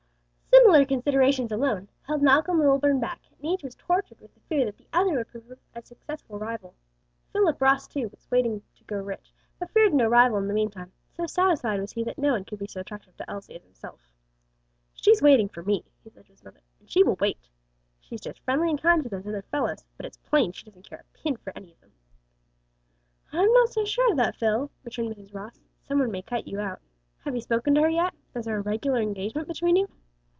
Similar considerations alone held Malcom Lilburn back, and each was tortured with the fear that the other would prove a successful rival. Philip Ross, too, was waiting to grow rich, but feared no rival in the meantime; so satisfied was he that no one could be so attractive to Elsie as himself. "She's waiting for me," he said to his mother, "and she will wait. She's just friendly and kind to those other fellows, but it's plain she doesn't care a pin for any of them." "I'm not so sure of that, Phil," returned Mrs. Ross; "some one may cut you out. Have you spoken to her yet? Is there a regular engagement between you?"